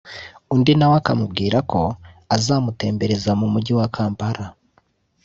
undi nawe akamubwira ko azamutembereza mu mujyi wa Kampala